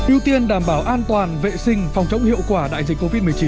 ưu tiên đảm bảo an toàn vệ sinh phòng chống hiệu quả đại dịch covid một mươi chín